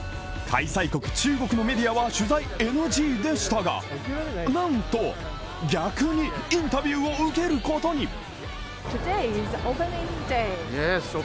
開催国・中国のメディアは取材ＮＧでしたがなんと、逆にインタビューを受けることに！